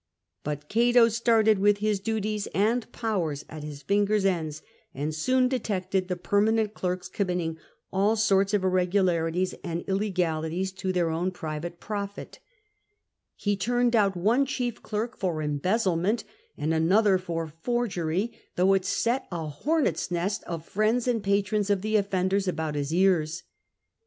But Cato started with his duties and powers at his fingei' ends, and soon detected the permanent clerks committing all sorts of irregularities and illegalities, to tlieir own private profit. CATO REFORMS THE TREASURY 209 He turned out one chief clerk for embezzlement and another for forgery, though it set a hornets' nest of friends and patrons of the offenders about his ears.